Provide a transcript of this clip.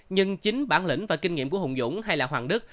nhưng chính bản lĩnh và kinh nghiệm của hùng dũng hay là hoàng đức